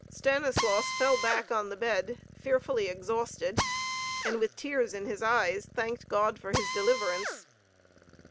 Stanislaus fell back on the bed, fearfully exhausted, and with tears in his eyes thanked God for his deliverance.